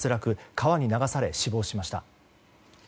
川に流され死亡しました。